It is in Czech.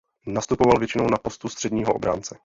Nastupoval většinou na postu středního obránce.